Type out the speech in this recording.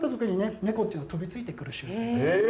猫っていうのは飛びついてくる習性が。